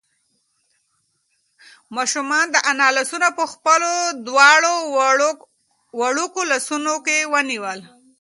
ماشوم د انا لاسونه په خپلو دواړو وړوکو لاسونو کې ونیول.